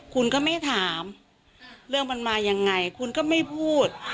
คุณก็ไม่ถามเรื่องมันมายังไงคุณก็ไม่พูด